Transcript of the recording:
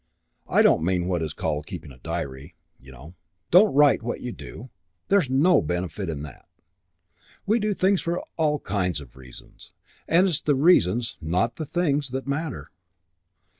I don't mean what is called keeping a diary, you know. Don't write what you do. There's no benefit in that. We do things for all kinds of reasons and it's the reasons, not the things, that matter.